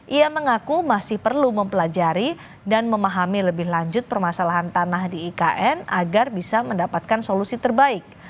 ia mengaku masih perlu mempelajari dan memahami lebih lanjut permasalahan tanah di ikn agar bisa mendapatkan solusi terbaik